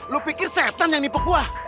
lo pikir setan yang nipuk gue